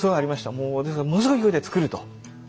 もうですからものすごい勢いで造ると。